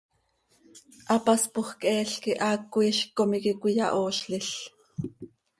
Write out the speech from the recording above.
Hapaspoj cheel quih haaco iizc com iiqui cöiyahoozlil.